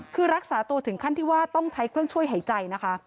คือรักษาตัวถึงขั้นที่ว่าต้องใช้เครื่องช่วยหายใจนะคะ